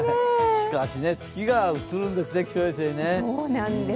しかし、月が映るんですね、気象衛星に。